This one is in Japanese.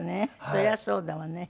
それはそうだわね。